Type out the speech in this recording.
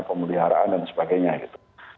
pemeliharaan dan sebagainya gitu